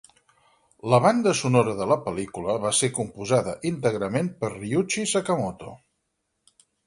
La banda sonora de la pel·lícula va ser composada íntegrament per Ryuichi Sakamoto.